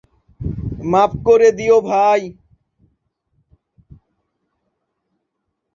মাফ করে দিও, ভাই।